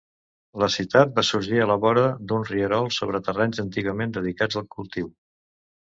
La ciutat va sorgir a la vora d'un rierol sobre terrenys antigament dedicats al cultiu.